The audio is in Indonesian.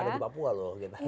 ada di papua loh